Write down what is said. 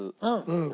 うん。